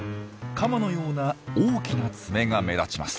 カマのような大きな爪が目立ちます。